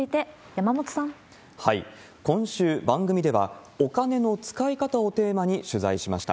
今週、番組では、お金の使い方をテーマに取材しました。